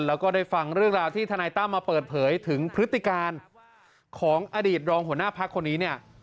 แล้วก็ได้ฟังเรื่องราวที่ทนายตั้มมาเปิดเผยถึงพฤติการของอดีตรองหัวหน้าพักคนนี้เนี่ย